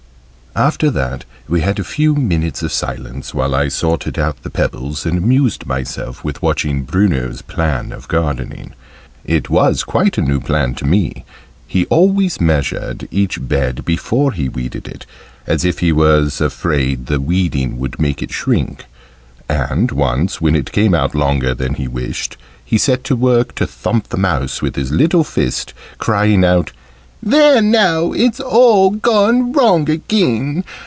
After that we had a few minutes of silence, while I sorted out the pebbles, and amused myself with watching Bruno's plan of gardening. It was quite a new plan to me: he always measured each bed before he weeded it, as if he was afraid the weeding would make it shrink; and once, when it came out longer than he wished, he set to work to thump the mouse with his little fist, crying out "There now! It's all gone wrong again!